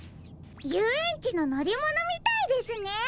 ゆうえんちののりものみたいですね！